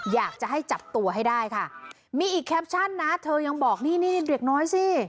อยากจะให้จับตัวให้ได้ค่ะมีอีกแคปชั่นนะเธอยังบอกนี่นี่เด็กน้อยสิ